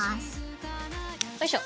おいしょ。